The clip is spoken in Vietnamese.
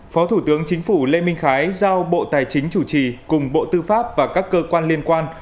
phó thủ tướng chính phủ lê minh khái giao bộ tài chính chủ trì cùng bộ tư pháp và các cơ quan liên quan